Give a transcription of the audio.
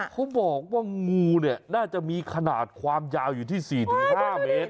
เขาบอกว่างูเนี่ยน่าจะมีขนาดความยาวอยู่ที่๔๕เมตร